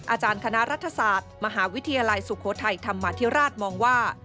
อาจารย์คณะรัฐศาสตร์มหาวิทยาลัยสุโขทัยธรรมาธิราชมองว่า